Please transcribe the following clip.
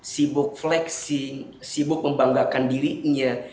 sibuk flexing sibuk membanggakan dirinya